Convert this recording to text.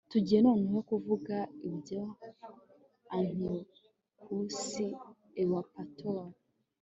tugiye noneho kuvuga ibya antiyokusi ewupatori